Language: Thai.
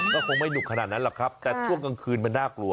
ก็คงไม่ดุขนาดนั้นหรอกครับแต่ช่วงกลางคืนมันน่ากลัว